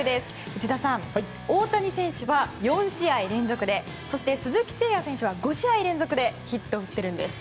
内田さん大谷選手は４試合連続でそして鈴木誠也選手は５試合連続でヒットを打っているんです。